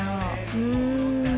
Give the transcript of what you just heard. うん